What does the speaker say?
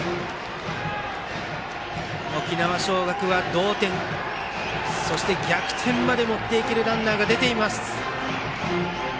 沖縄尚学は同点そして逆転まで持っていけるランナーが出ています。